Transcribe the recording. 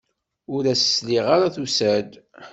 Ur as-sliɣ ara tusa-d.